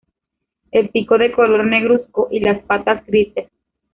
El pico de color negruzco y las patas grises.